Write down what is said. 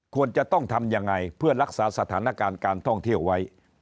ควรจะต้องทำยังไงเพื่อรักษาสถานการณ์การท่องเที่ยวไว้